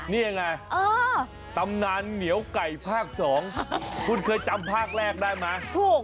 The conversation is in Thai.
นี่ยังไงตำนานเหนียวไก่ภาค๒คุณเคยจำภาคแรกได้ไหมถูก